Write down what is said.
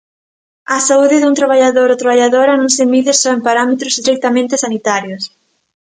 A saúde dun traballador ou traballadora non se mide só en parámetros estritamente sanitarios.